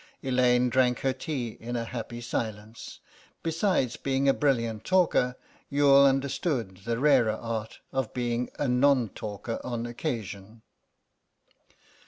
Elaine drank her tea in a happy silence; besides being a brilliant talker Youghal understood the rarer art of being a non talker on occasion.